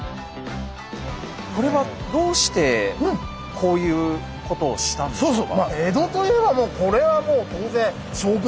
これはどうしてこういうことをしたんですか？